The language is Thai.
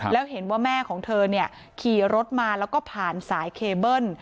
แล้วเห็นว่าแม่ของเธอขี่รถมาแล้วก็ผ่านสายเคเบิ้ล